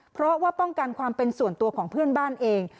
เพราะว่าป้องกันความเป็นส่วนตัวของเพื่อนบ้านเอง